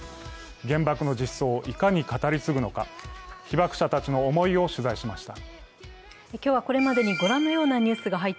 原爆の実相をいかに語り継ぐのか被爆者たちの思いを取材しました。